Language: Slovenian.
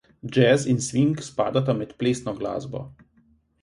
Džez in sving spadata med plesno glasbo.